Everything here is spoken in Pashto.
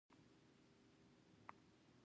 له وېرې په ډکو سترګو یې فرید ته وکتل.